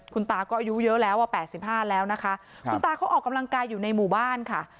คุณตาก็อายุเยอะแล้วอ่ะ๘๕แล้วนะคะคุณตาเขาออกกำลังกายอยู่ในหมู่บ้านค่ะ